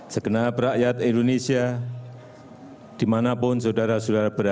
segenap rakyat indonesia dimanapun saudara saudara berada